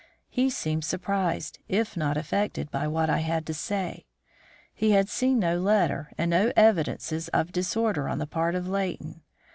He seemed surprised, if not affected, by what I had to say. He had seen no letter and no evidences of disorder on the part of Leighton.